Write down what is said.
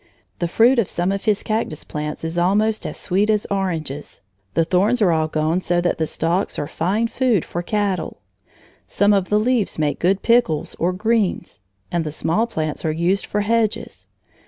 The fruit of some of his cactus plants is almost as sweet as oranges; the thorns are all gone so that the stalks are fine food for cattle; some of the leaves make good pickles or greens; and the small plants are used for hedges.